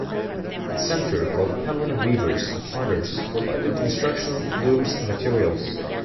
The center, called Penland Weavers and Potters, provided instruction, looms, and materials.